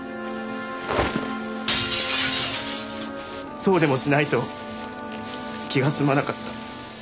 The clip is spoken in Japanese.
そうでもしないと気が済まなかった。